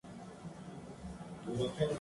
Sin embargo, estas fuentes difieren un poco.